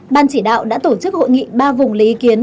ban chỉ đạo đã tổ chức hội nghị ba vùng lấy ý kiến